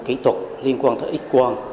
kỹ thuật liên quan tới x quân